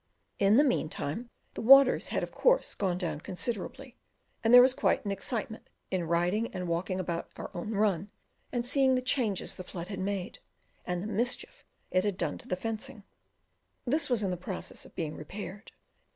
In the meantime, the waters had of course gone down considerably, and there was quite an excitement in riding and walking about our own run, and seeing the changes the flood had made, and the mischief it had done to the fencing; this was in process of being repaired.